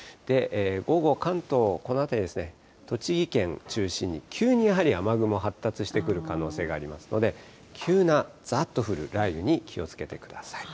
午後、関東、この辺りですね、栃木県中心に急にやはり雨雲発達してくる可能性がありますので、急なざっと降る雷雨に気をつけてください。